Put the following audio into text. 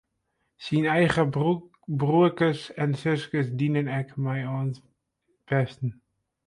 Syn eigen broerkes en suskes dienen ek mei oan it pesten.